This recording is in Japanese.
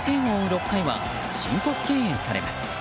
６回は申告敬遠されます。